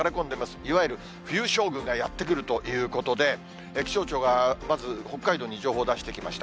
いわゆる冬将軍がやって来るということで、気象庁がまず北海道に情報を出してきました。